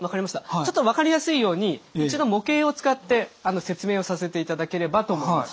ちょっと分かりやすいように一度模型を使って説明をさせていただければと思います。